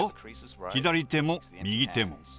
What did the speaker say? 左手も右手も。